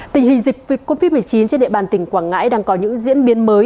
tình hình dịch covid một mươi chín trên địa bàn tỉnh quảng ngãi đang có những diễn biến mới